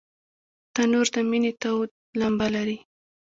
تنور د مینې تود لمبه لري